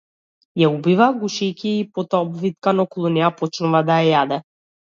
Ја убива, гушејќи ја, и потоа обвиткан околу неа почнува да ја јаде.